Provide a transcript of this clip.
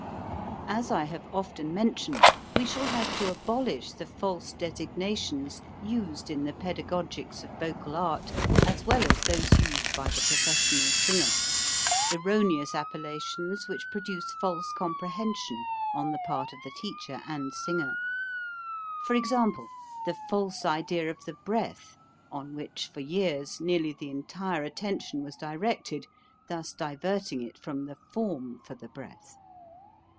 As I have often mentioned, we shall have to abolish the false designations used in the pedagogics of vocal art as well as those used by the professional singer, erroneous appella 280 HOW TO SING tions which produce false comprehension on the part of the teacher and singer. For ex ample : the false idea of the breath on which for years nearly the entire attention was di rected, thus diverting it from the form for the breath.